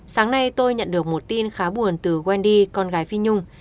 sáng nay tôi nhận được một tin khá buồn từ wendy con gái phi nhung